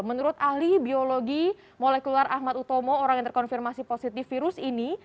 menurut ahli biologi molekuler ahmad utomo orang yang terkonfirmasi positif virus ini